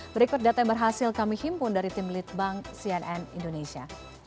berikut data yang berhasil kami himpun dari tim litbang cnn indonesia